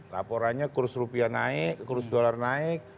laporannya kurs rupiah naik kurs dolar naik